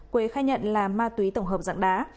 quế khai nhận là ma túy tổng hợp dạng đá